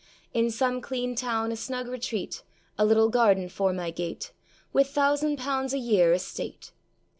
In some clean town a snug retreat, A little garden 'fore my gate, With thousand pounds a year estate.